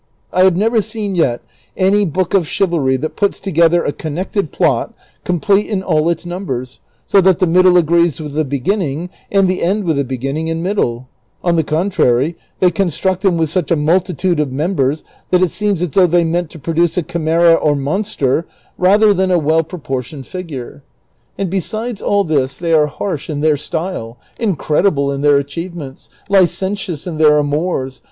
I have never yet seen any book of chivalry that puts together a connected plot complete in all its numbers, so that the middle agrees with the beginning, and the end with the beginning and middle ; on the contrary, they construct them with such a multitude of members that it seems as though they meant to produce a chimera or monster rather than a well proportioned ' Alluding to Belianis of Greece, who when only sixteen cut a knight in two at Persepolis.